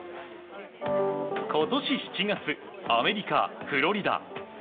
今年７月、アメリカ・フロリダ。